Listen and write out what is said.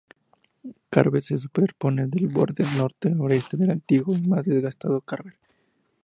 Carver se superpone al borde norte-noreste del antiguo y muy desgastado "Carver M".